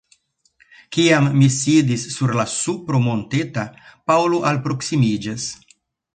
Kiam mi sidis sur la supro monteta, Paŭlo alproksimiĝas.